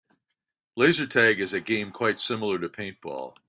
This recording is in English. Laser tag is a game quite similar to paintball.